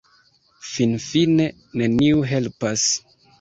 Finfine neniu helpas.